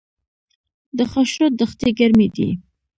د خاشرود دښتې ګرمې دي